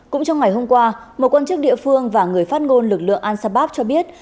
cũng trong ngày hôm qua một quan chức địa phương và người phát ngôn lực lượng al sabab cho biết